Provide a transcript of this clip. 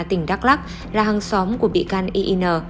tỉnh đắk lắc là hàng xóm của bị can yin